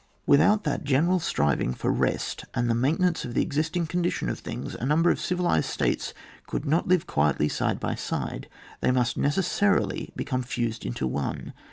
Without that general striving for rest and the maintenance of the existing con dition of things, a number of civilised states could not long live quietly side by side; they must necessarily become fused into one.